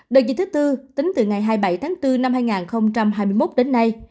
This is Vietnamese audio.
đợt dịch thứ tư tính từ ngày hai mươi bảy tháng bốn năm hai nghìn hai mươi một đến nay